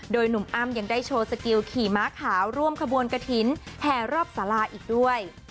โดยหนุ่มอ้ำยังได้โชว์สกิลขี่ม้าขาวร่วมขบวนกระถิ่นแห่รอบสาราอีกด้วย